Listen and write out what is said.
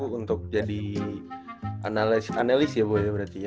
untuk jadi analis ya boleh berarti ya